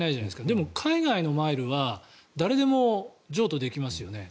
でも海外のマイルは誰でも譲渡できますよね。